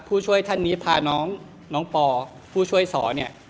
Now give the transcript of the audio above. ผู้ช่วยท่านนี้พาน้องน้องปอผู้ช่วยสอเนี่ย